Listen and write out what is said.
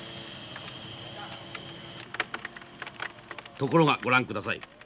ところがご覧ください。